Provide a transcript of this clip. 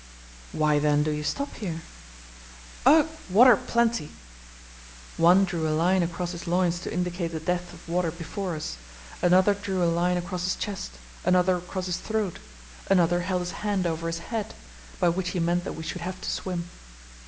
"Why, then, do you stop here?" "Ugh! water plenty!!" One drew a line across his loins to indicate the depth of water before us, another drew a line across his chest, another across his throat another held his hand over his head, by which he meant that we should have to swim.